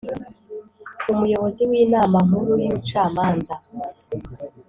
Umuyobozi w’ Inama Nkuru y’ Ubucamanza